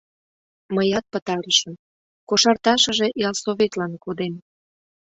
— Мыят пытарышым, кошарташыже ялсоветлан кодем.